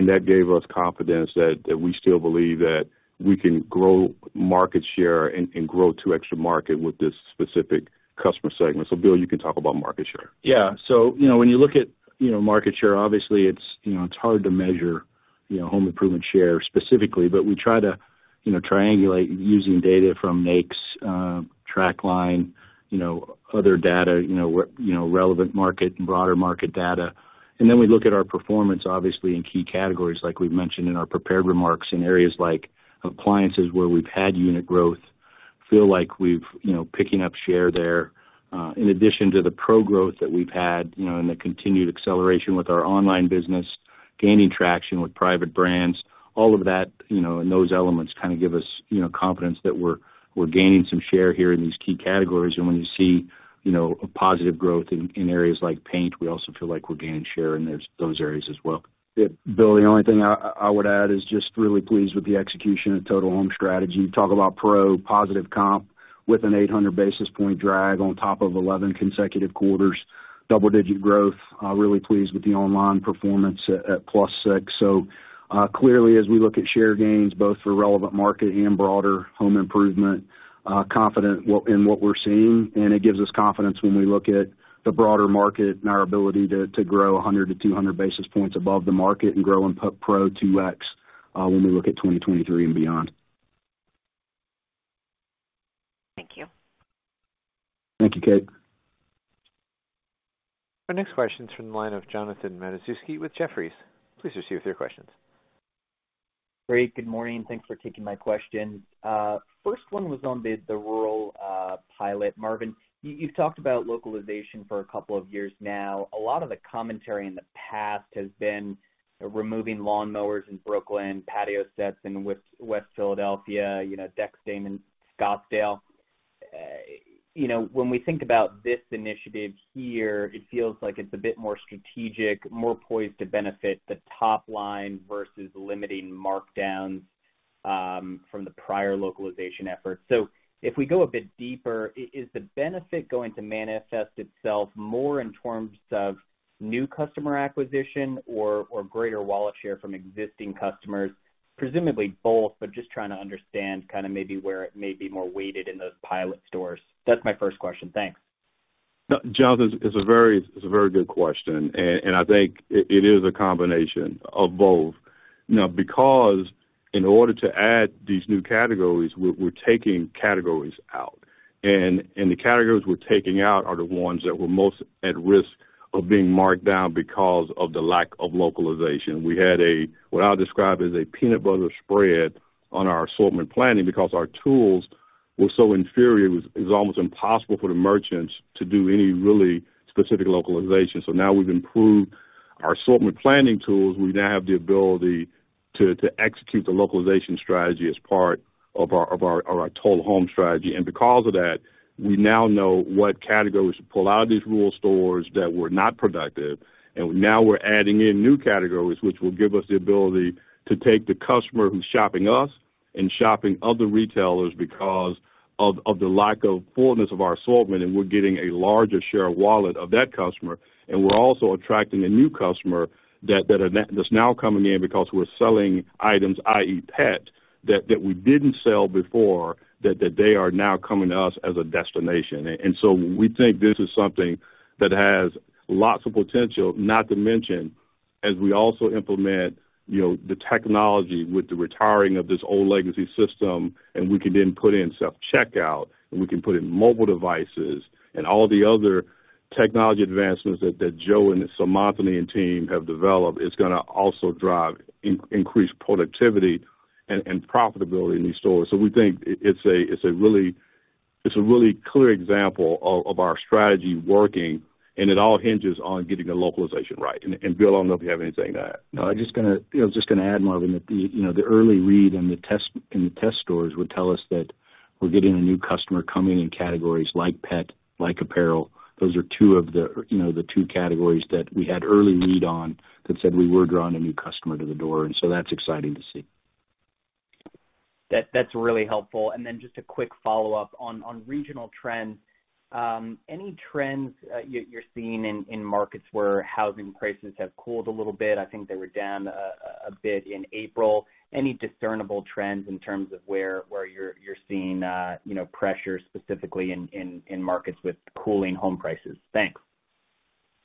That gave us confidence that we still believe that we can grow market share and grow to extra market with this specific customer segment. Bill, you can talk about market share. When you look at, you know, market share, obviously it's, you know, it's hard to measure, you know, home improvement share specifically. We try to, you know, triangulate using data from M Science, TraqLine, you know, other data, you know, where, you know, relevant market and broader market data. We look at our performance, obviously in key categories, like we've mentioned in our prepared remarks, in areas like appliances, where we've had unit growth, feel like we've, you know, picking up share there. In addition to the pro growth that we've had, you know, and the continued acceleration with our online business, gaining traction with private brands. All of that, you know, and those elements kinda give us, you know, confidence that we're gaining some share here in these key categories. When you see, you know, a positive growth in areas like paint, we also feel like we're gaining share in those areas as well. Bill, the only thing I would add is just really pleased with the execution of Total Home Strategy. Talk about pro positive comp with an 800 basis point drag on top of 11 consecutive quarters, double-digit growth. really pleased with the online performance at +6. clearly as we look at share gains both for relevant market and broader home improvement, confident in what we're seeing, and it gives us confidence when we look at the broader market and our ability to grow 100 basis points-200 basis points above the market and grow pro 2x, when we look at 2023 and beyond. Thank you. Thank you, Kate. Our next question is from the line of Jonathan Matuszewski with Jefferies. Please proceed with your questions. Great. Good morning. Thanks for taking my question. 1st one was on the rural pilot. Marvin, you've talked about localization for a couple of years now. A lot of the commentary in the past has been removing lawnmowers in Brooklyn, patio sets in West Philadelphia, you know, deck stain in Scottsdale. You know, when we think about this initiative here, it feels like it's a bit more strategic, more poised to benefit the top line versus limiting markdowns from the prior localization efforts. If we go a bit deeper, is the benefit going to manifest itself more in terms of new customer acquisition or greater wallet share from existing customers? Presumably both, but just trying to understand kinda maybe where it may be more weighted in those pilot stores. That's my 1st question. Thanks. No, Jonathan, it's a very, very good question, and I think it is a combination of both. Because in order to add these new categories, we're taking categories out, and the categories we're taking out are the ones that were most at risk of being marked down because of the lack of localization. We had a, what I'll describe as a peanut butter spread on our assortment planning because our tools were so inferior, it was almost impossible for the merchants to do any really specific localization. Now we've improved our assortment planning tools. We now have the ability to execute the localization strategy as part of our Total Home strategy. Because of that, we now know what categories to pull out of these rural stores that were not productive. Now we're adding in new categories, which will give us the ability to take the customer who's shopping us and shopping other retailers because of the lack of fullness of our assortment, and we're getting a larger share of wallet of that customer. We're also attracting a new customer that's now coming in because we're selling items, i.e. pet, that we didn't sell before, that they are now coming to us as a destination. We think this is something that has lots of potential. Not to mention, as we also implement, you know, the technology with the retiring of this old legacy system, and we can then put in self-checkout, and we can put in mobile devices and all the other technology advancements that Joe and Seemantini Godbole and team have developed, it's gonna also drive increased productivity and profitability in these stores. We think it's a really clear example of our strategy working, and it all hinges on getting the localization right. Bill, I don't know if you have anything to add. No, I just gonna, you know, just gonna add, Marvin, that the, you know, the early read in the test stores would tell us that we're getting a new customer coming in categories like pet, like apparel. Those are two of the, you know, the two categories that we had early read on that said we were drawing a new customer to the door. That's exciting to see. That's really helpful. Just a quick follow-up. On regional trends, any trends you're seeing in markets where housing prices have cooled a little bit? I think they were down a bit in April. Any discernible trends in terms of where you're seeing, you know, pressure specifically in markets with cooling home prices? Thanks.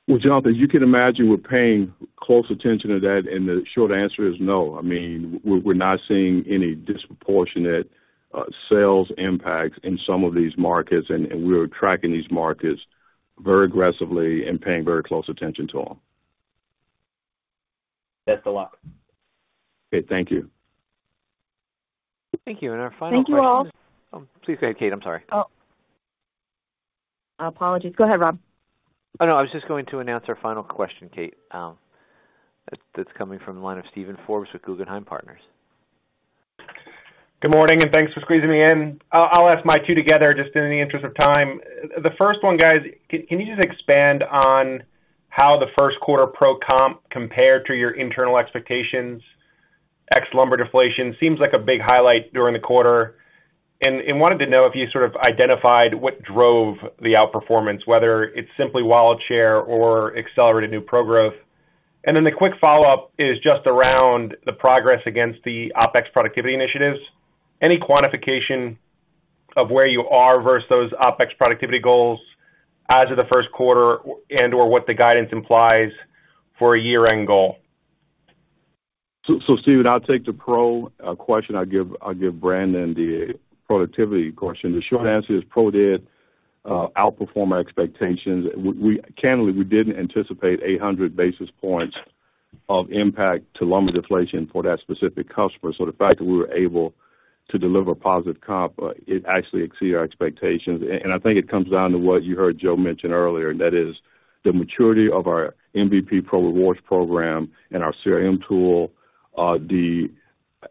Well, Jonathan, as you can imagine, we're paying close attention to that, and the short answer is no. I mean, we're not seeing any disproportionate sales impacts in some of these markets, and we are tracking these markets very aggressively and paying very close attention to them. That's a lot. Okay. Thank you. Thank you. Our final question. Thank you all. Please go ahead, Kate. I'm sorry. Oh. Apologies. Go ahead, Rob. Oh, no. I was just going to announce our final question, Kate, that's coming from the line of Steven Forbes with Guggenheim Partners. Good morning, and thanks for squeezing me in. I'll ask my two together just in the interest of time. The 1st one, guys, can you just expand on how the 1st quarter Pro comp compared to your internal expectations? Ex lumber deflation seems like a big highlight during the quarter. Wanted to know if you sort of identified what drove the outperformance, whether it's simply wallet share or accelerated new Pro growth. Then the quick follow-up is just around the progress against the OpEx productivity initiatives. Any quantification of where you are versus those OpEx productivity goals as of the 1st quarter and/or what the guidance implies for a year-end goal? Steven, I'll take the pro question. I'll give Brandon the productivity question. The short answer is pro did outperform our expectations. Candidly, we didn't anticipate 800 basis points of impact to lumber deflation for that specific customer. The fact that we were able to deliver positive comp, it actually exceeded our expectations. And I think it comes down to what you heard Joe mention earlier, and that is the maturity of our MVPs Pro Rewards program and our CRM tool, the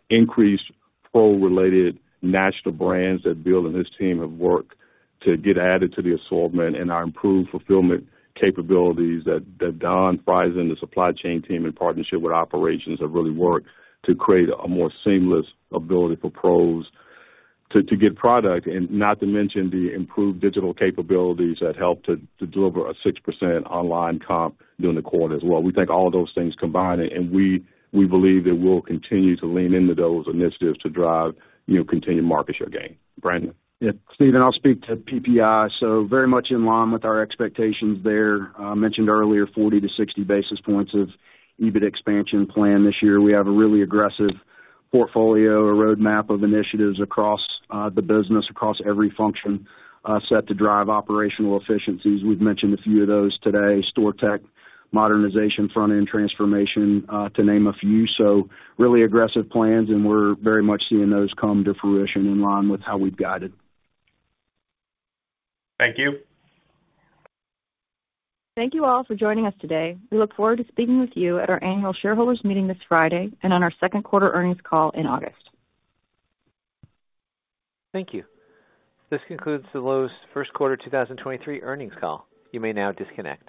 increased pro-related national brands that Bill and his team have worked to get added to the assortment and our improved fulfillment capabilities that Don Frieson and the supply chain team in partnership with operations have really worked to create a more seamless ability for pros to get product. Not to mention the improved digital capabilities that help to deliver a 6% online comp during the quarter as well. We think all of those things combined, we believe that we'll continue to lean into those initiatives to drive, you know, continued market share gain. Brandon? Yeah. Steven, I'll speak to PPI. Very much in line with our expectations there. I mentioned earlier 40 basis points-60 basis points of EBIT expansion plan this year. We have a really aggressive portfolio, a roadmap of initiatives across the business, across every function, set to drive operational efficiencies. We've mentioned a few of those today. Store tech, modernization, front-end transformation, to name a few. Really aggressive plans, and we're very much seeing those come to fruition in line with how we've guided. Thank you. Thank you all for joining us today. We look forward to speaking with you at our annual shareholders meeting this Friday and on our 2nd quarter earnings call in August. Thank you. This concludes the Lowe's 1st quarter 2023 earnings call. You may now disconnect.